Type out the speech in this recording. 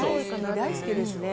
大好きですね。